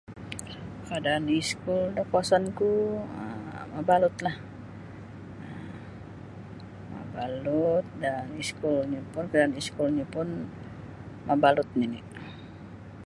Kaadaan iskul da kawasan ku um mabalut lah mabalut da iskulnya pun kadaaan iskulnya pun mabalut nini.